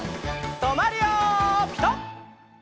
とまるよピタ！